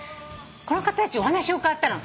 この方たちにお話を伺ったの。